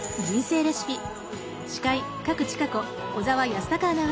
人生レシピ」。